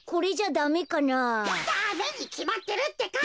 ダメにきまってるってか。